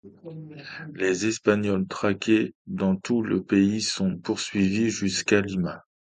Les Espagnols traqués dans tout le pays sont poursuivis jusqu'à Lima.